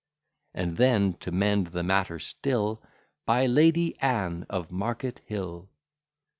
And then, to mend the matter still, "By Lady Anne of Market Hill!"